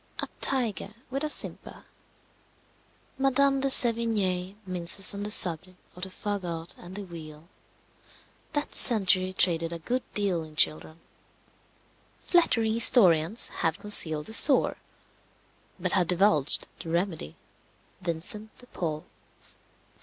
A tiger with a simper. Madame de Sevigné minces on the subject of the fagot and the wheel. That century traded a good deal in children. Flattering historians have concealed the sore, but have divulged the remedy, Vincent de Paul.